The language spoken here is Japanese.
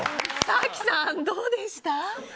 早紀さん、どうでした？